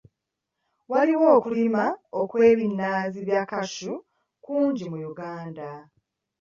Waliwo okulimwa kw'ebinazi bya Cashew kungi mu Uganda.